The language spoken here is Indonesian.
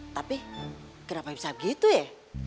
tapi kenapa bisa gitu ya